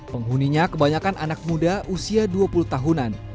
penghuninya kebanyakan anak muda usia dua puluh tahunan